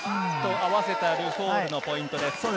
合わせたルフォールのポイントです。